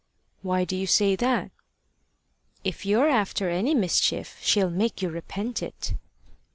"Why do you say that?" "If you're after any mischief, she'll make you repent it."